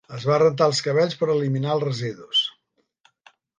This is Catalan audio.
Es va rentar els cabells per eliminar els residus.